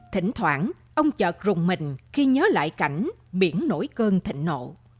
thỉnh thoảng ông chợt rùng mình khi nhớ lại cảnh biển nổi cơn thịnh nộ